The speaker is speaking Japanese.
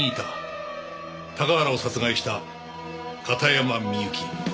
高原を殺害した片山みゆき。